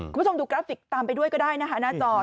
คุณผู้ชมดูกราฟิกตามไปด้วยก็ได้นะคะหน้าจอ